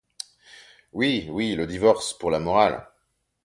Oui, oui, le divorce, pour la morale!